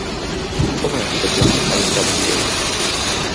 Como é a situación aí en cabo Silleiro?